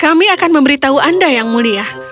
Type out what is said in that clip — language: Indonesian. kami akan memberitahu anda yang mulia